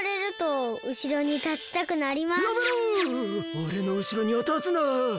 おれのうしろにはたつな！